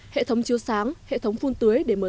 hệ thống chiếu sáng hệ thống phun tưới